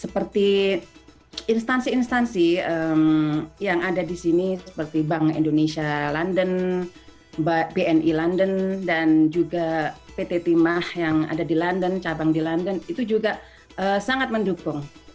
seperti instansi instansi yang ada di sini seperti bank indonesia london bni london dan juga pt timah yang ada di london cabang di london itu juga sangat mendukung